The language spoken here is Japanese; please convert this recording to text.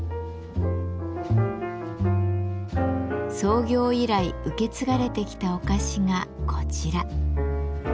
創業以来受け継がれてきたお菓子がこちら。